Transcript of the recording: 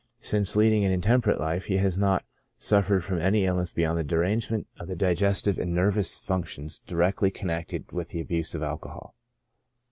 Since leading an intemperate life he has not suffered from any illness beyond the derangement of the di gestive and nervous functions directly connected with the abuse of alcohol.